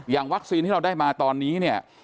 อย่างวัคซีนที่เราได้มาตอนนี้